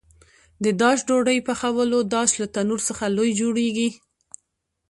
د داش ډوډۍ پخولو داش له تنور څخه لوی جوړېږي.